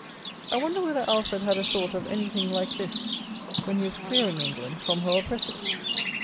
I wonder whether Alfred had a thought of anything like this when he was clearing England from her oppressors?